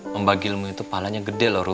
membagi lemu itu palanya gede loh lo